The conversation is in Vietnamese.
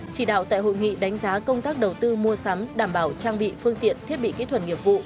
chỉ đạo tại hội nghị đánh giá công tác đầu tư mua sắm đảm bảo trang bị phương tiện thiết bị kỹ thuật nghiệp vụ